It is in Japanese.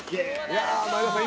前田さん